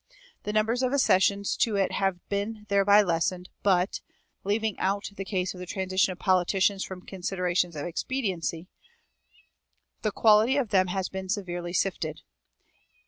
The number of accessions to it has been thereby lessened, but (leaving out the case of the transition of politicians from considerations of expediency) the quality of them has been severely sifted.